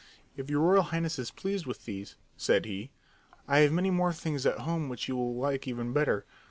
"If your Royal Highness is pleased with these," said he, "I have many more things at home which you will like even better.